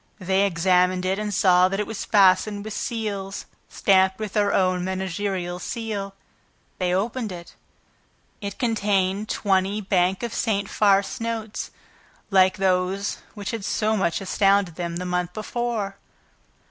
They examined it and saw that it was fastened with seals stamped with their own managerial seal. They opened it. It contained twenty Bank of St. Farce notes like those which had so much astounded them the month before.